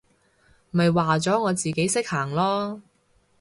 咪話咗我自己識行囉！